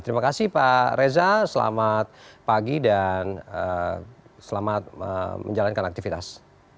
terima kasih pak reza selamat pagi dan selamat menjalankan aktivitas